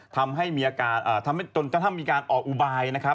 ทำให้มีการออกอุบาย